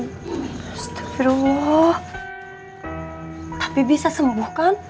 astagfirullah tapi bisa sembuh kan